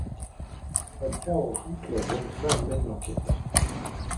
En proie au doute, la jeune femme mène l'enquête.